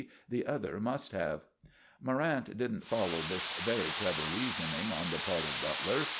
the other must have." Morrant didn't follow this very clever reasoning on the part of Butler.